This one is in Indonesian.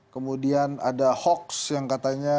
kemudian ada hoax yang katanya